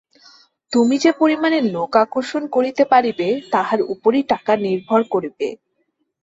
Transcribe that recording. তুমি যে পরিমাণে লোক আকর্ষণ করিতে পারিবে, তাহার উপরই টাকা নির্ভর করিবে।